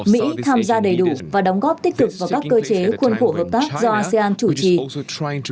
mỹ tham gia đầy đủ và đóng góp tích cực vào các cơ chế khuôn khổ hợp tác do asean chủ trì